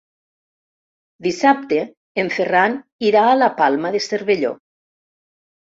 Dissabte en Ferran irà a la Palma de Cervelló.